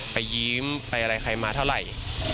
ไปยิ้มไปอะไรใครมาเท่าไหร่